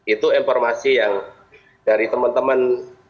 itu informasi yang dari teman teman